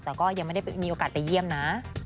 แต่ก็ยังไม่ได้มีโอกาสไปเยี่ยมนะ